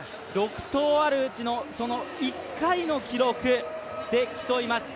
６投あるうちの１回の記録で競います。